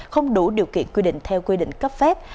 không đủ điều kiện quy định theo quy định cấp phép